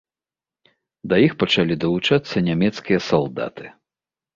Да іх пачалі далучацца нямецкія салдаты.